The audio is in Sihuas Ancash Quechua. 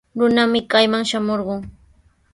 Runami kayman shamurqun.